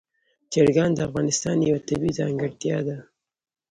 چرګان د افغانستان یوه طبیعي ځانګړتیا ده.